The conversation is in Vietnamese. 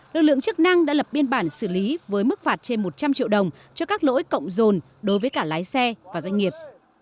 lực lượng chức năng đã lập biên bản xử lý với mức phạt trên một trăm linh triệu đồng cho các lỗi cộng dồn đối với cả lái xe và doanh nghiệp